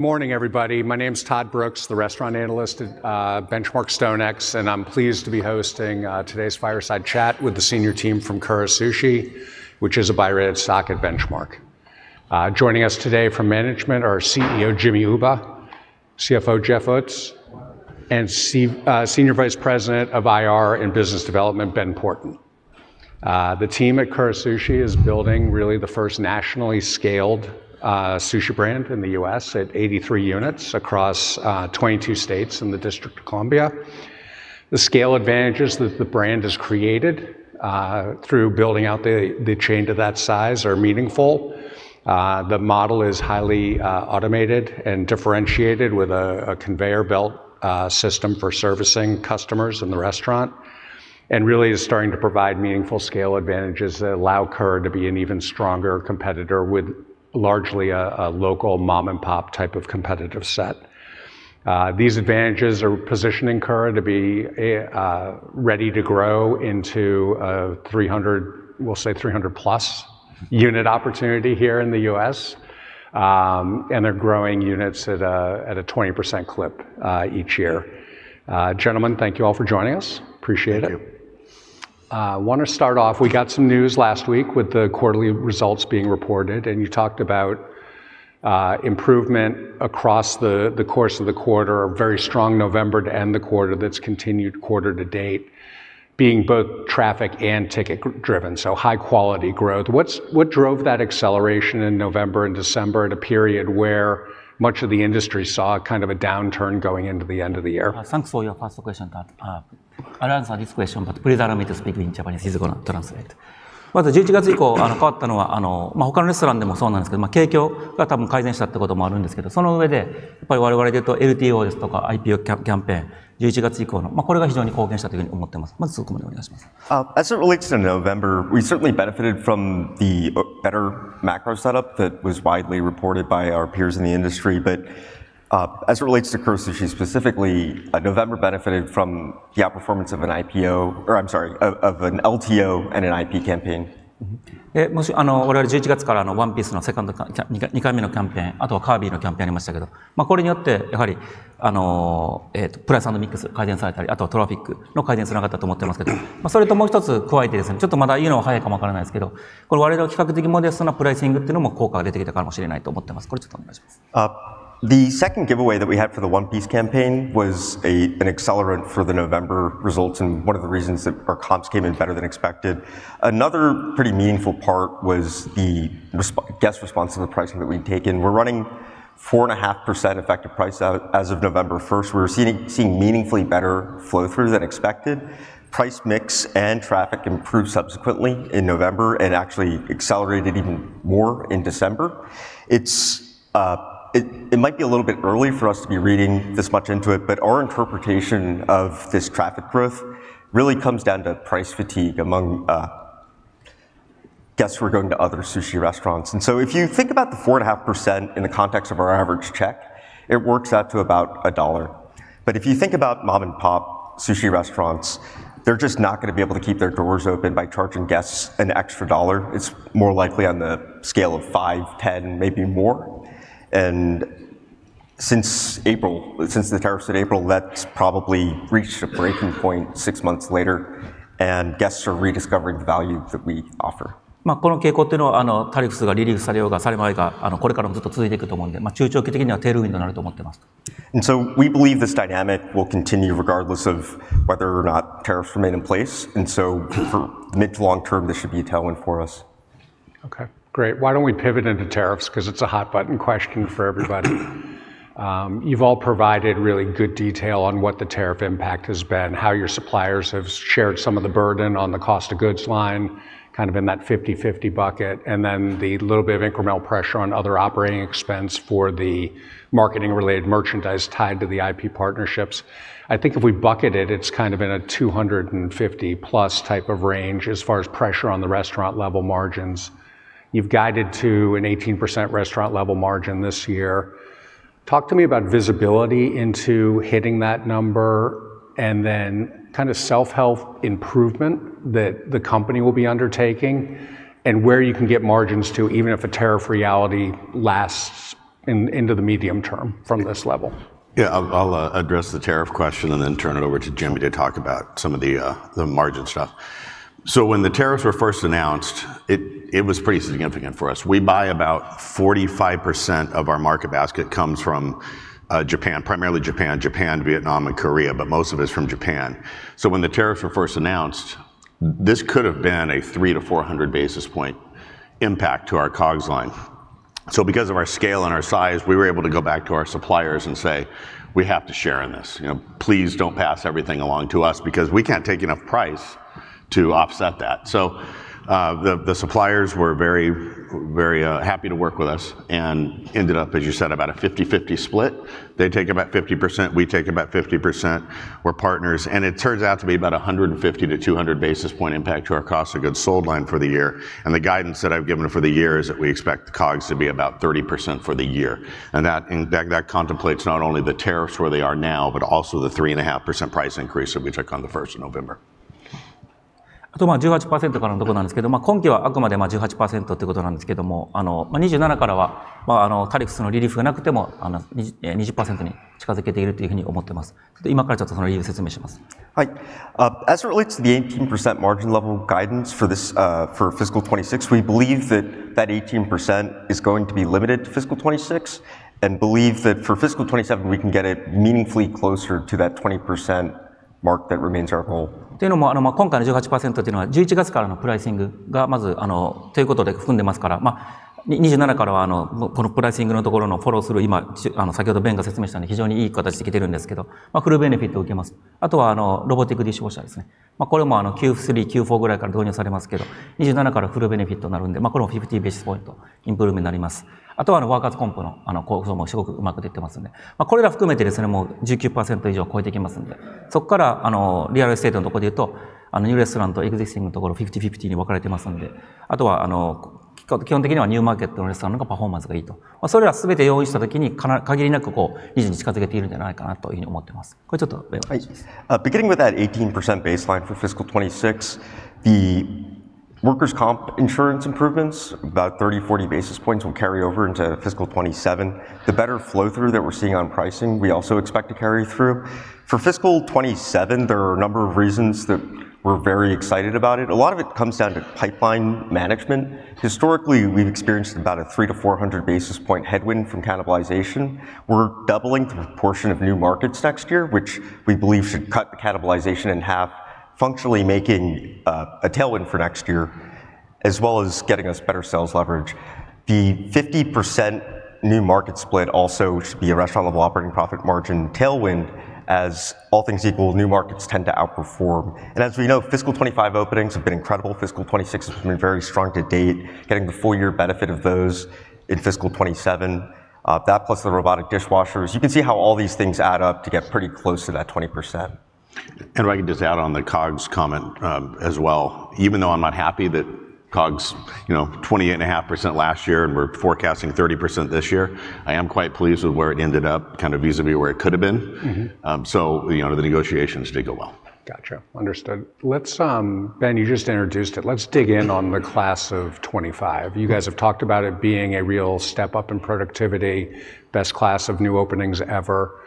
Morning, everybody. My name's Todd Brooks, the restaurant analyst at Benchmark StoneX, and I'm pleased to be hosting today's fireside chat with the senior team from Kura Sushi, which is a buy-rated stock at Benchmark. Joining us today from management are CEO Jimmy Uba, CFO Jeff Uttz, and Senior Vice President of IR and Business Development Ben Porten. The team at Kura Sushi is building really the first nationally scaled sushi brand in the U.S. at 83 units across 22 states in the District of Columbia. The scale advantages that the brand has created through building out the chain to that size are meaningful. The model is highly automated and differentiated with a conveyor belt system for servicing customers in the restaurant, and really is starting to provide meaningful scale advantages that allow Kura to be an even stronger competitor with largely a local mom-and-pop type of competitive set. These advantages are positioning Kura to be ready to grow into a 300, we'll say 300-plus unit opportunity here in the U.S., and they're growing units at a 20% clip each year. Gentlemen, thank you all for joining us. Appreciate it. Thank you. I want to start off. We got some news last week with the quarterly results being reported, and you talked about improvement across the course of the quarter, a very strong November to end the quarter that's continued quarter to date being both traffic and ticket-driven, so high-quality growth. What drove that acceleration in November and December at a period where much of the industry saw kind of a downturn going into the end of the year? Thanks for your first question. I'll answer this question, but please allow me to speak in Japanese. He's going to translate. まず11月以降変わったのは他のレストランでもそうなんですけど、景況が多分改善したってこともあるんですけど、その上でやっぱり我々で言うとLTOですとかIPOキャンペーン11月以降のこれが非常に貢献したというふうに思ってます。まずツクモにお願いします。As it relates to November, we certainly benefited from the better macro setup that was widely reported by our peers in the industry, but as it relates to Kura Sushi specifically, November benefited from the outperformance of an IPO, or I'm sorry, of an LTO and an IP campaign. The second giveaway that we had for the One Piece campaign was an accelerant for the November results and one of the reasons that our comps came in better than expected. Another pretty meaningful part was the guest response to the pricing that we'd taken. We're running 4.5% effective price as of November 1st. We were seeing meaningfully better flow-through than expected. Price mix and traffic improved subsequently in November and actually accelerated even more in December. It might be a little bit early for us to be reading this much into it, but our interpretation of this traffic growth really comes down to price fatigue among guests who are going to other sushi restaurants, and so if you think about the 4.5% in the context of our average check, it works out to about $1. But if you think about mom-and-pop sushi restaurants, they're just not going to be able to keep their doors open by charging guests an extra $1. It's more likely on the scale of five, 10, maybe more. And since the tariffs in April, that's probably reached a breaking point six months later, and guests are rediscovering the value that we offer. この傾向っていうのはタリフスがリリースされようがされまいがこれからもずっと続いていくと思うんで、中長期的にはテールウィンドになると思ってます。And so we believe this dynamic will continue regardless of whether or not tariffs remain in place. And so for mid to long term, this should be a tailwind for us. Okay, great. Why don't we pivot into tariffs because it's a hot-button question for everybody. You've all provided really good detail on what the tariff impact has been, how your suppliers have shared some of the burden on the cost of goods line, kind of in that 50/50 bucket, and then the little bit of incremental pressure on other operating expense for the marketing-related merchandise tied to the IP partnerships. I think if we bucket it, it's kind of in a 250-plus type of range as far as pressure on the restaurant-level margins. You've guided to an 18% restaurant-level margin this year. Talk to me about visibility into hitting that number and then kind of self-help improvement that the company will be undertaking and where you can get margins to even if a tariff reality lasts into the medium term from this level? Yeah, I'll address the tariff question and then turn it over to Jimmy to talk about some of the margin stuff. So when the tariffs were first announced, it was pretty significant for us. We buy about 45% of our market basket comes from Japan, primarily Japan, Vietnam, and Korea, but most of it's from Japan. So when the tariffs were first announced, this could have been a 300-400 basis-point impact to our COGS line. So because of our scale and our size, we were able to go back to our suppliers and say, "We have to share in this. Please don't pass everything along to us because we can't take enough price to offset that." So the suppliers were very happy to work with us and ended up, as you said, about a 50/50 split. They take about 50%, we take about 50%. We're partners. It turns out to be about 150-200 basis-point impact to our cost of goods sold line for the year. The guidance that I've given for the year is that we expect the COGS to be about 30% for the year. That contemplates not only the tariffs where they are now, but also the 3.5% price increase that we took on the 1st of November. あと18%からのところなんですけど、今期はあくまで18%ということなんですけども、27からはタリフスのリリーフがなくても20%に近づけているというふうに思ってます。今からちょっとその理由説明します。As it relates to the 18% margin level guidance for fiscal 2026, we believe that that 18% is going to be limited to fiscal 2026 and believe that for fiscal 2027, we can get it meaningfully closer to that 20% mark that remains our goal. Beginning with that 18% baseline for fiscal 2026, the workers' comp insurance improvements, about 30-40 basis points, will carry over into fiscal 2027. The better flow-through that we're seeing on pricing, we also expect to carry through. For fiscal 2027, there are a number of reasons that we're very excited about it. A lot of it comes down to pipeline management. Historically, we've experienced about a 300-400 basis point headwind from cannibalization. We're doubling the proportion of new markets next year, which we believe should cut the cannibalization in half, functionally making a tailwind for next year, as well as getting us better sales leverage. The 50% new market split also should be a restaurant-level operating profit margin tailwind as all things equal, new markets tend to outperform, and as we know, fiscal 2025 openings have been incredible. Fiscal 2026 has been very strong to date, getting the full-year benefit of those in fiscal 2027. That plus the robotic dishwashers, you can see how all these things add up to get pretty close to that 20%. I can just add on the COGS comment as well. Even though I'm not happy that COGS, 28.5% last year and we're forecasting 30% this year, I am quite pleased with where it ended up, kind of vis-à-vis where it could have been. So the negotiations did go well. Gotcha. Understood. Ben, you just introduced it. Let's dig in on the class of 2025. You guys have talked about it being a real step up in productivity, best class of new openings ever.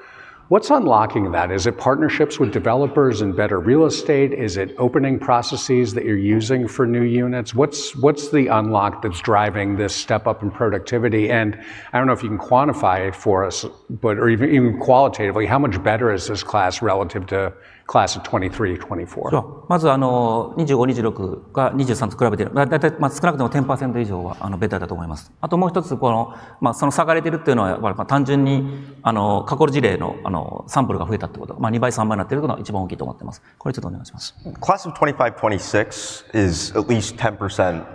What's unlocking that? Is it partnerships with developers and better real estate? Is it opening processes that you're using for new units? What's the unlock that's driving this step up in productivity? And I don't know if you can quantify it for us, but even qualitatively, how much better is this class relative to class of 2023, 2024? まず25、26が23と比べて、だいたい少なくとも10%以上はベターだと思います。あともう一つ、その差が出てるっていうのは単純に過去事例のサンプルが増えたってこと、2倍、3倍になってるってことが一番大きいと思ってます。これちょっとお願いします。Class of 2025, 2026 is at least 10%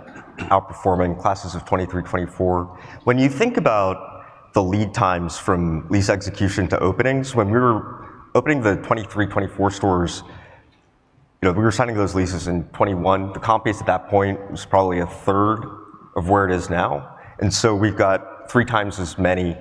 outperforming classes of 2023, 2024. When you think about the lead times from lease execution to openings, when we were opening the 2023, 2024 stores, we were signing those leases in 2021. The comp base at that point was probably a third of where it is now. And so we've got three times as many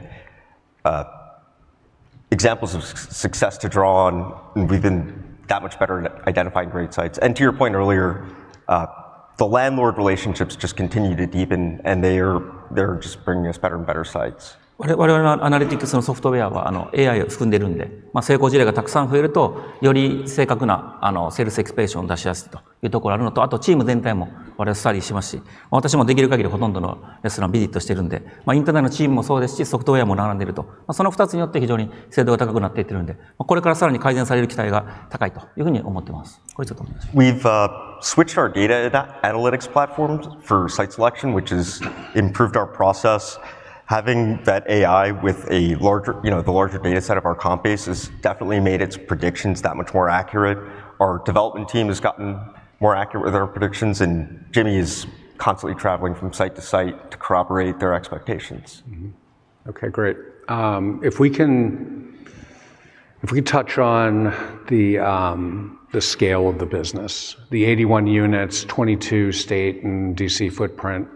examples of success to draw on, and we've been that much better at identifying great sites. And to your point earlier, the landlord relationships just continue to deepen, and they're just bringing us better and better sites. 我々のアナリティクスのソフトウェアはAIを含んでいるんで、成功事例がたくさん増えるとより正確なセールスエクスペリションを出しやすいというところがあるのと、あとチーム全体も我々スタディしますし、私もできる限りほとんどのレストランビジットしてるんで、インターナルのチームもそうですし、ソフトウェアも並んでいると。その二つによって非常に精度が高くなっていってるんで、これからさらに改善される期待が高いというふうに思ってます。これちょっとお願いします。We've switched our data analytics platforms for site selection, which has improved our process. Having that AI with the larger data set of our comp base has definitely made its predictions that much more accurate. Our development team has gotten more accurate with our predictions, and Jimmy is constantly traveling from site to site to corroborate their expectations. Okay, great. If we can touch on the scale of the business, the 81 units, 22-state and D.C. footprint,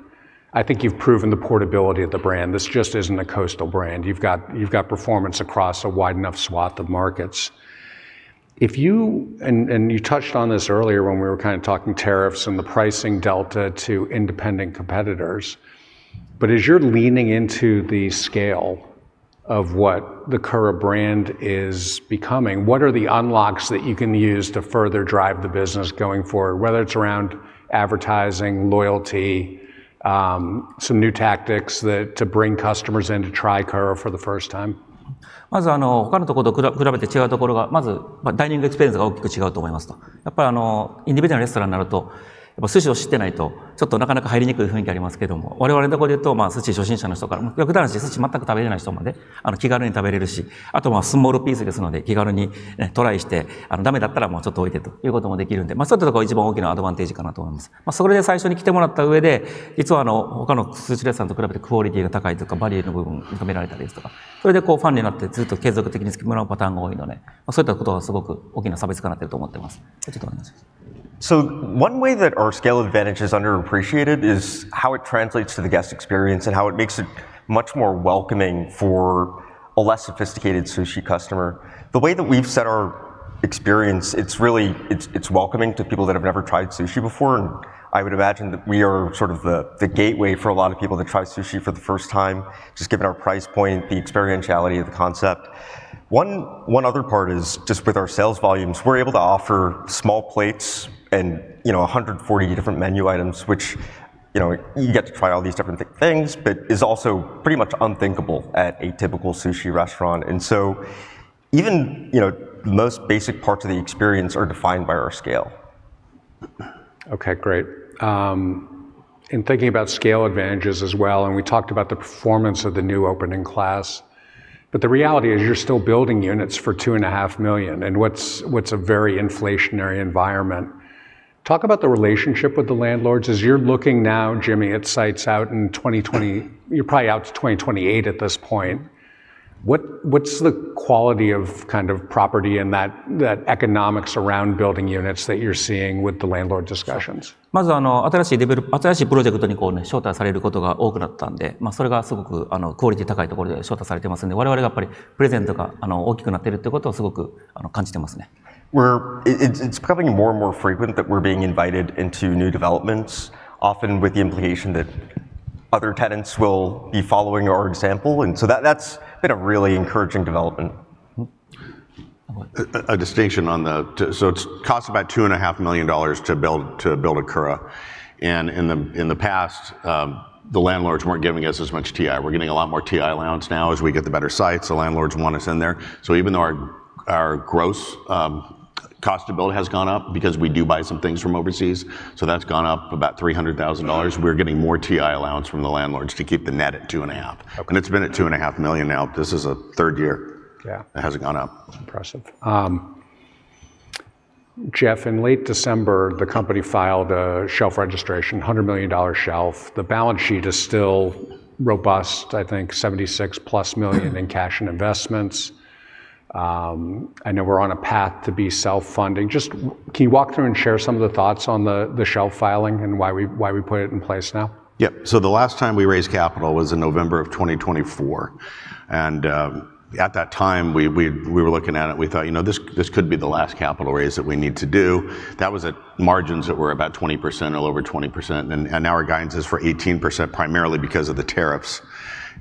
I think you've proven the portability of the brand. This just isn't a coastal brand. You've got performance across a wide enough swath of markets. And you touched on this earlier when we were kind of talking tariffs and the pricing delta to independent competitors. But as you're leaning into the scale of what the Kura brand is becoming, what are the unlocks that you can use to further drive the business going forward, whether it's around advertising, loyalty, some new tactics to bring customers in to try Kura for the first time? So one way that our scale advantage is underappreciated is how it translates to the guest experience and how it makes it much more welcoming for a less sophisticated sushi customer. The way that we've set our experience, it's welcoming to people that have never tried sushi before, and I would imagine that we are sort of the gateway for a lot of people to try sushi for the first time, just given our price point, the experientiality of the concept. One other part is just with our sales volumes, we're able to offer small plates and 140 different menu items, which you get to try all these different things, but is also pretty much unthinkable at a typical sushi restaurant, and so even the most basic parts of the experience are defined by our scale. Okay, great. And thinking about scale advantages as well, and we talked about the performance of the new opening class. But the reality is you're still building units for $2.5 million in what's a very inflationary environment. Talk about the relationship with the landlords. As you're looking now, Jimmy, it sites out in 2020, you're probably out to 2028 at this point. What's the quality of kind of property and that economics around building units that you're seeing with the landlord discussions? まず新しいプロジェクトに招待されることが多くなったんで、それがすごくクオリティ高いところで招待されてますんで、我々がやっぱりプレゼントが大きくなってるってことをすごく感じてますね。It's becoming more and more frequent that we're being invited into new developments, often with the implication that other tenants will be following our example, and so that's been a really encouraging development. A distinction on that. So it costs about $2.5 million to build a Kura. And in the past, the landlords weren't giving us as much TI. We're getting a lot more TI allowance now as we get the better sites. The landlords want us in there. So even though our gross cost to build has gone up because we do buy some things from overseas, so that's gone up about $300,000. We're getting more TI allowance from the landlords to keep the net at $2.5 million. And it's been at $2.5 million now. This is a third year. It hasn't gone up. Impressive. Jeff, in late December, the company filed a shelf registration, $100-million shelf. The balance sheet is still robust, I think $76 million+ in cash and investments. I know we're on a path to be self-funding. Just can you walk through and share some of the thoughts on the shelf filing and why we put it in place now? Yep. So the last time we raised capital was in November of 2024. And at that time, we were looking at it and we thought, you know, this could be the last capital raise that we need to do. That was at margins that were about 20% or a little over 20%. And now our guidance is for 18% primarily because of the tariffs.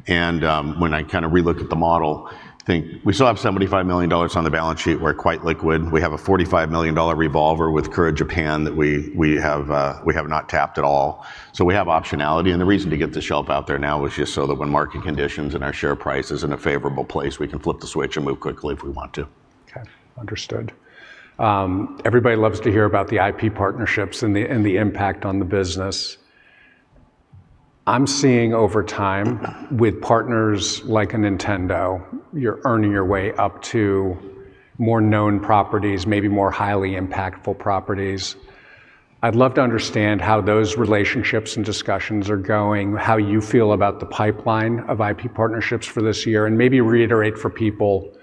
And when I kind of relook at the model, I think we still have $75 million on the balance sheet. We're quite liquid. We have a $45-million revolver with Kura Japan that we have not tapped at all. So we have optionality. And the reason to get the shelf out there now was just so that when market conditions and our share price is in a favorable place, we can flip the switch and move quickly if we want to. Okay. Understood. Everybody loves to hear about the IP partnerships and the impact on the business. I'm seeing over time with partners like Nintendo, you're earning your way up to more known properties, maybe more highly impactful properties. I'd love to understand how those relationships and discussions are going, how you feel about the pipeline of IP partnerships for this year, and maybe reiterate for people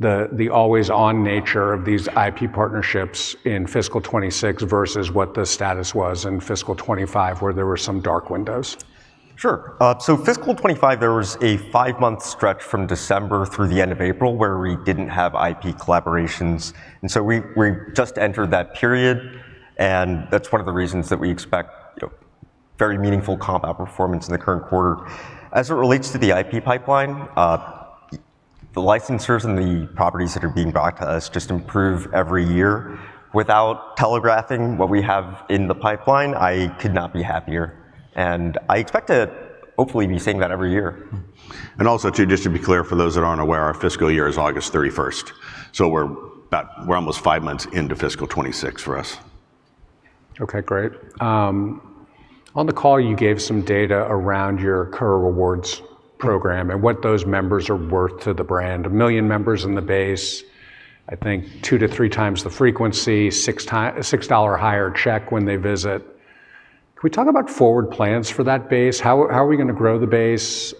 the always-on nature of these IP partnerships in fiscal 2026 versus what the status was in fiscal 2025 where there were some dark windows. Sure, so fiscal 2025, there was a five-month stretch from December through the end of April where we didn't have IP collaborations, and so we just entered that period, and that's one of the reasons that we expect very meaningful comp outperformance in the current quarter. As it relates to the IP pipeline, the licensors and the properties that are being brought to us just improve every year. Without telegraphing what we have in the pipeline, I could not be happier, and I expect to hopefully be seeing that every year. Also, just to be clear for those that aren't aware, our fiscal year is August 31st. We're almost five months into fiscal 2026 for us. Okay, great. On the call, you gave some data around your Kura Rewards program and what those members are worth to the brand. A million members in the base, I think two to three times the frequency, $6 higher check when they visit. Can we talk about forward plans for that base? How are we going to grow the base?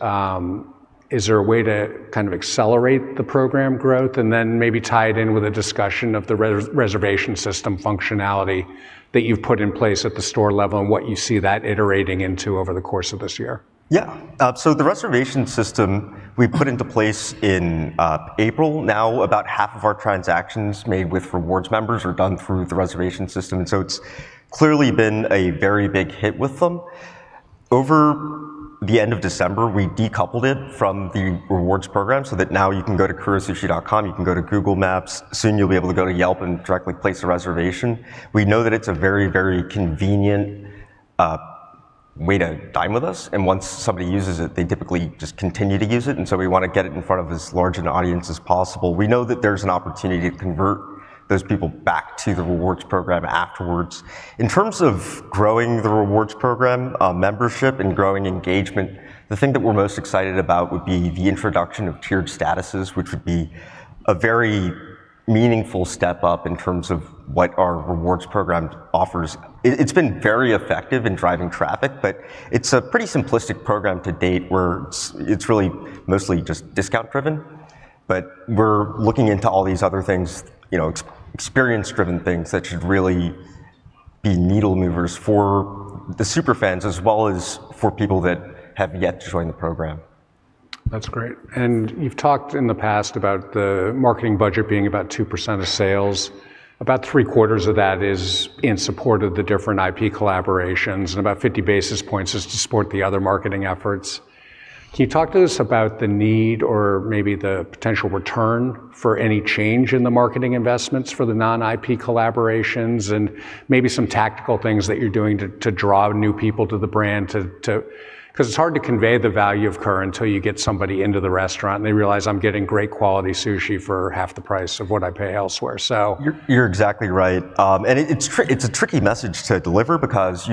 Is there a way to kind of accelerate the program growth and then maybe tie it in with a discussion of the reservation system functionality that you've put in place at the store level and what you see that iterating into over the course of this year? Yeah. So the reservation system we put into place in April, now about half of our transactions made with rewards members are done through the reservation system. And so it's clearly been a very big hit with them. Over the end of December, we decoupled it from the rewards program so that now you can go to kuraushi.com, you can go to Google Maps, soon you'll be able to go to Yelp and directly place a reservation. We know that it's a very, very convenient way to dine with us. And once somebody uses it, they typically just continue to use it. And so we want to get it in front of as large an audience as possible. We know that there's an opportunity to convert those people back to the rewards program afterwards. In terms of growing the rewards program membership and growing engagement, the thing that we're most excited about would be the introduction of tiered statuses, which would be a very meaningful step up in terms of what our rewards program offers. It's been very effective in driving traffic, but it's a pretty simplistic program to date where it's really mostly just discount-driven. But we're looking into all these other things, experience-driven things that should really be needle-movers for the super fans as well as for people that have yet to join the program. That's great. And you've talked in the past about the marketing budget being about 2% of sales. About 3/4 of that is in support of the different IP collaborations and about 50 basis points is to support the other marketing efforts. Can you talk to us about the need or maybe the potential return for any change in the marketing investments for the non-IP collaborations and maybe some tactical things that you're doing to draw new people to the brand? Because it's hard to convey the value of Kura until you get somebody into the restaurant and they realize, "I'm getting great quality sushi for half the price of what I pay elsewhere." You're exactly right, and it's a tricky message to deliver because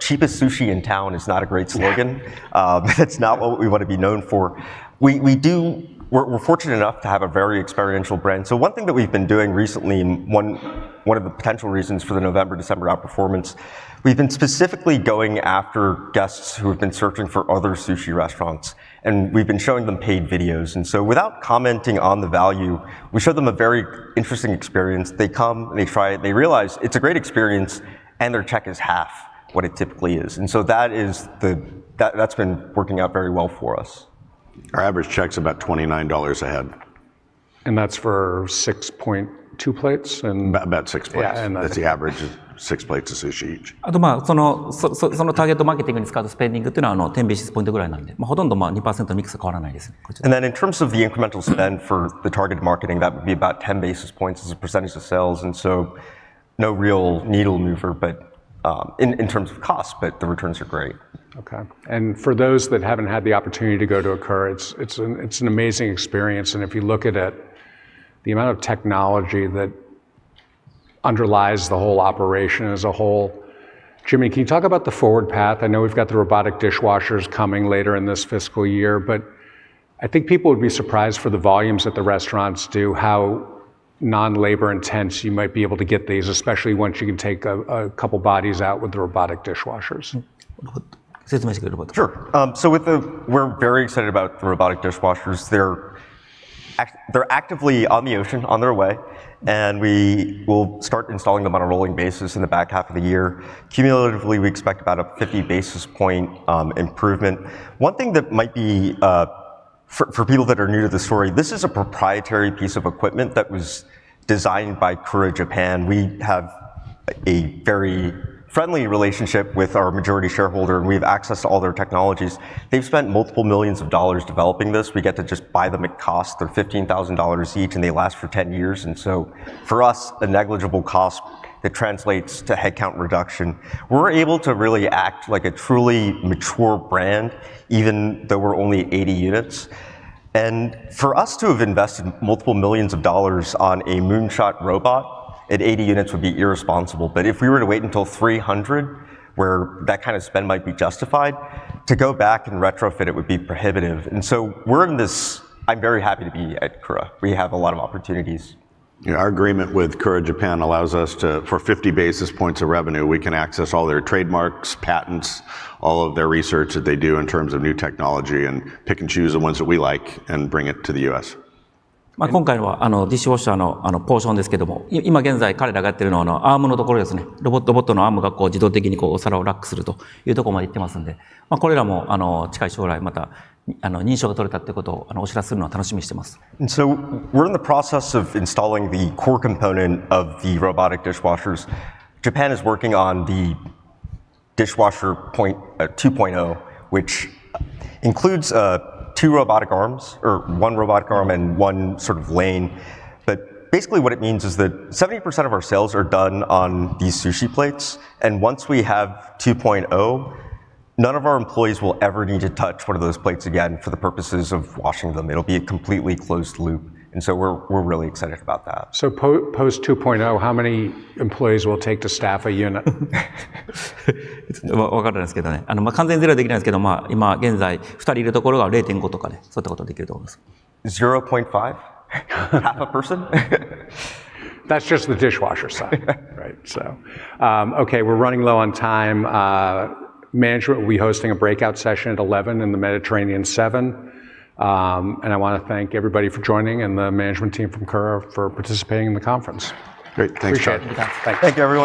"cheapest sushi in town" is not a great slogan. That's not what we want to be known for. We're fortunate enough to have a very experiential brand, so one thing that we've been doing recently, one of the potential reasons for the November, December outperformance, we've been specifically going after guests who have been searching for other sushi restaurants, and we've been showing them paid videos, and so without commenting on the value, we show them a very interesting experience. They come and they try it. They realize it's a great experience and their check is half what it typically is, and so that's been working out very well for us. Our average check's about $29 a head. That's for 6.2 plates? About six plates. That's the average of six plates of sushi each. そのターゲットマーケティングに使うスペンディングというのは10ベーシスポイントぐらいなんで、ほとんど2%のミックスは変わらないですね。And then in terms of the incremental spend for the target marketing, that would be about 10 basis points as a percentage of sales. And so no real needle-mover, but in terms of cost, the returns are great. Okay. And for those that haven't had the opportunity to go to a Kura, it's an amazing experience. And if you look at it, the amount of technology that underlies the whole operation as a whole. Jimmy, can you talk about the forward path? I know we've got the robotic dishwashers coming later in this fiscal year, but I think people would be surprised for the volumes that the restaurants do, how non-labor intense you might be able to get these, especially once you can take a couple of bodies out with the robotic dishwashers. Sure, so we're very excited about the robotic dishwashers. They're actively on the ocean, on their way, and we will start installing them on a rolling basis in the back half of the year. Cumulatively, we expect about a 50 basis-point improvement. One thing that might be, for people that are new to the story, this is a proprietary piece of equipment that was designed by Kura Japan. We have a very friendly relationship with our majority shareholder, and we have access to all their technologies. They've spent multiple millions of dollars developing this. We get to just buy them at cost. They're $15,000 each, and they last for 10 years, and so for us, a negligible cost that translates to headcount reduction. We're able to really act like a truly mature brand, even though we're only 80 units. And for us to have invested multiple millions of dollars on a Moonshot robot at 80 units would be irresponsible. But if we were to wait until 300, where that kind of spend might be justified, to go back and retrofit it would be prohibitive. And so we're in this. I'm very happy to be at Kura. We have a lot of opportunities. Our agreement with Kura Japan allows us to, for 50 basis points of revenue, we can access all their trademarks, patents, all of their research that they do in terms of new technology and pick and choose the ones that we like and bring it to the U.S. 今回のディッシュウォッシャーのポーションですけども、今現在彼らがやっているのはアームのところですね。ロボットのアームが自動的にお皿をラックするというところまで行ってますんで、これらも近い将来また認証が取れたということをお知らせするのを楽しみにしています。We're in the process of installing the core component of the robotic dishwashers. Japan is working on the Dishwasher 2.0, which includes two robotic arms, or one robotic arm and one sort of lane. But basically what it means is that 70% of our sales are done on these sushi plates. And once we have 2.0, none of our employees will ever need to touch one of those plates again for the purposes of washing them. It'll be a completely closed loop. And so we're really excited about that. Post 2.0, how many employees will take to staff a unit? わからないですけどね。完全ゼロはできないですけど、今現在2人いるところが0.5とかね、そういったことができると思います。0.5? Half a person? That's just the dishwasher side. Right. Okay, we're running low on time. Management will be hosting a breakout session at 11:00 and The Mediterranean at 7:00, and I want to thank everybody for joining and the management team from Kura for participating in the conference. Great. Thanks for having us. Appreciate it. Thank you, everyone.